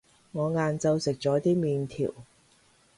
我晏晝食咗啲麵條